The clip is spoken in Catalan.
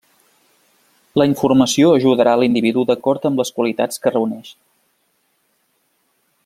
La informació ajudarà l’individu d’acord amb les qualitats que reuneixi.